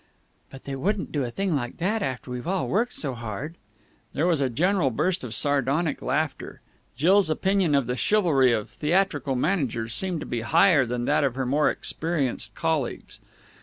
"But they wouldn't do a thing like that after we've all worked so hard!" There was a general burst of sardonic laughter. Jill's opinion of the chivalry of theatrical managers seemed to be higher than that of her more experienced colleagues.